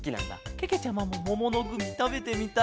けけちゃまももものグミたべてみたいケロ。